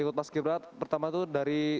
ikut pas gibra pertama itu dari